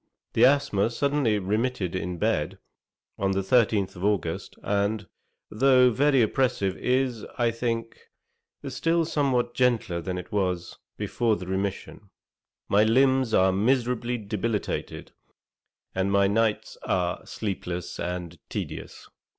The asthma suddenly remitted in bed, on the 13th of August, and, though now very oppressive, is, I think, still something gentler than it was before the remission. My limbs are miserably debilitated, and my nights are sleepless and tedious.